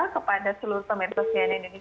kepada seluruh pemerintah